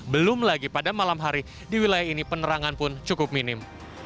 belum lagi pada malam hari di wilayah ini penerangan pun cukup minim